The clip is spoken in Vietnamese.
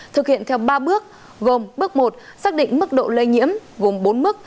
thực hiện theo ba bước gồm bước một xác định mức độ lây nhiễm gồm bốn mức